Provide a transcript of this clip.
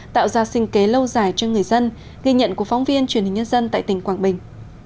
tạo ra sinh kế lâu dài cho người dân ghi nhận của phóng viên truyền hình nhân dân tại tỉnh quảng bình